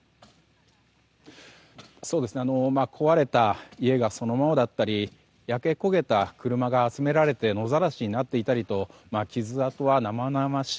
壊れた家がそのままだったり焼け焦げた車が集められて野ざらしになっていたりと傷跡は生々しい